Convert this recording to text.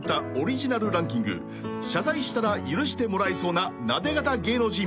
［謝罪したら許してもらえそうななで肩芸能人